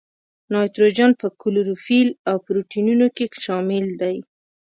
نایتروجن په کلوروفیل او پروټینونو کې شامل دی.